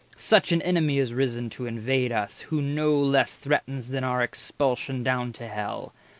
—such an enemy Is risen to invade us, who no less Threatens than our expulsion down to Hell.